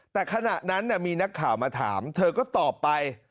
แต่ขณะนั้นมีนักข่าวมาถามเธอก็ตอบไป